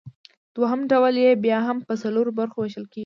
دوهم ډول یې بیا هم پۀ څلورو برخو ویشل کیږي